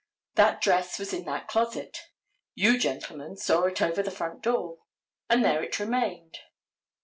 That dress was in that closet. You, gentlemen, saw it over the front door, and there it remained.